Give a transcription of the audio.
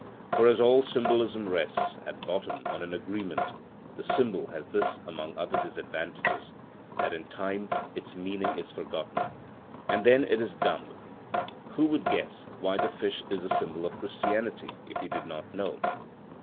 For as all symbolism rests, at bottom, on an agreement, the symbol has this among other disadvantages, that in time its meaning is forgotten, and then it is dumb. Who would guess why the fish is a symbol of Christianity if he did not know?